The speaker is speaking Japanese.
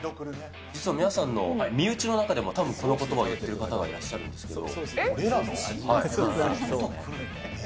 実は皆さんの身内の中でもたぶんこのことばを言ってる方がいらっしゃるんですけど。